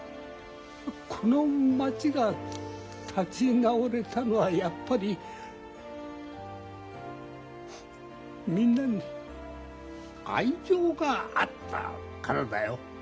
この町が立ち直れたのはやっぱりみんなに愛情があったからだよ。